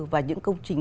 và những công trình